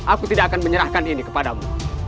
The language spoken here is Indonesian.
aku tidak akan menyerahkan ini kepadamu